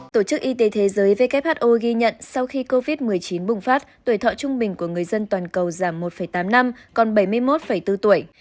tổ chức y tế thế giới who ghi nhận sau khi covid một mươi chín bùng phát tuổi thọ trung bình của người dân toàn cầu giảm một tám năm còn bảy mươi một bốn tuổi